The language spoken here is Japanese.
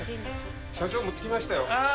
社長、持ってきましたよ。